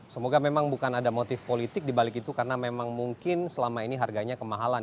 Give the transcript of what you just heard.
semoga memang bukan ada motif politik dibalik itu karena memang mungkin selama ini harganya kemahalan